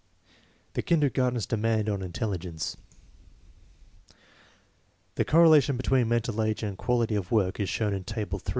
The kindergarten's demands upon intelligence. The correlation between mental age and quality of work is shown in Table 3.